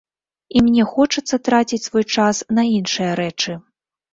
І мне хочацца траціць свой час на іншыя рэчы.